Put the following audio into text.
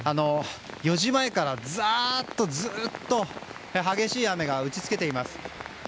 ４時前からザーッとずっと激しい雨が打ち付けています。